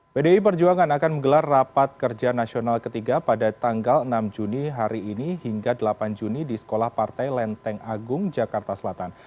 pdi perjuangan akan menggelar rapat kerja nasional ketiga pada tanggal enam juni hari ini hingga delapan juni di sekolah partai lenteng agung jakarta selatan